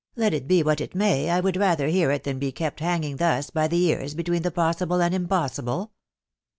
" Let it be what it may, I would rather hear it than be kept hanging thus by the ears between the possible and impossible."